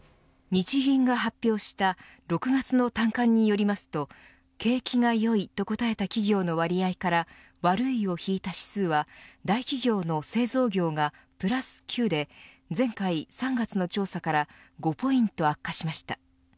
日銀が発表した６月の短観によりますと景気がよいと答えた企業の割合から悪い理由を引いた指数は大企業の製造業がプラス９で前回３月の調査から５ポイント悪化しました。